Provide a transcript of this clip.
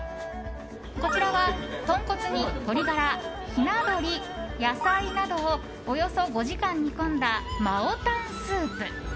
こちらは、豚骨に鶏ガラ、ひな鳥野菜などをおよそ５時間煮込んだマオタンスープ。